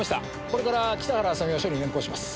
これから北原麻美を署に連行します。